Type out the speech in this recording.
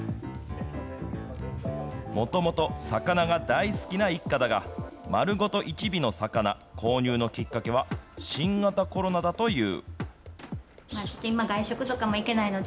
もともと魚が大好きな一家だが、丸ごと一尾の魚、購入のきっかけは新型コロナだという。